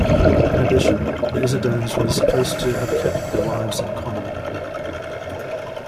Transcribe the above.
In addition, the Issedones were supposed to have kept their wives in common.